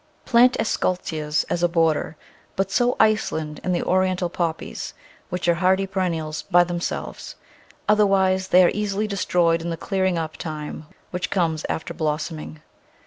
Plant Esch scholtzias as a border, but sow Iceland and the Orient al Poppies, which are hardy perennials, by themselves ; otherwise they are easily destroyed in the clearing up time which comes after blossoming.